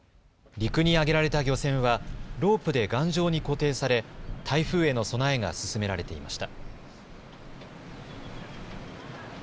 陸に上げられた漁船はロープで頑丈に固定され、台風への備えが進められていました。